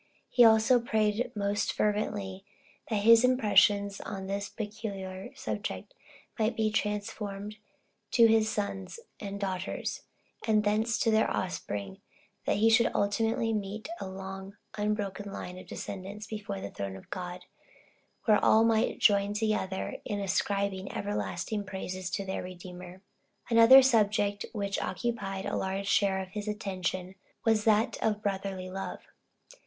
He also prayed most fervently, that his impressions on this particular subject might be transferred to his sons and daughters, and thence to their offspring, so that he should ultimately meet a long unbroken line of descendants before the throne of God, where all might join together in ascribing everlasting praises to their Redeemer. Another subject, which occupied a large share of his attention, was that of brotherly love.